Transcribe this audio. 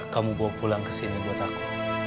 kamu bawa pulang kesini buat aku